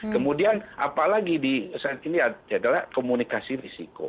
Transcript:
kemudian apa lagi saat ini adalah komunikasi risiko